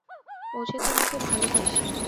ও যে তোমাকে ভালোবাসে।